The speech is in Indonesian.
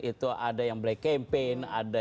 itu ada yang black campaign ada